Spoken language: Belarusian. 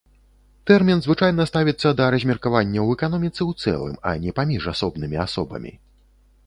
Тэрмін звычайна ставіцца да размеркавання ў эканоміцы ў цэлым, а не паміж асобнымі асобамі.